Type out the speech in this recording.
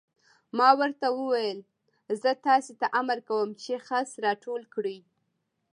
ما ورته وویل: زه تاسې ته امر کوم چې خس را ټول کړئ.